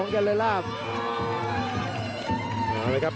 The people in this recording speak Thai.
จริงครับ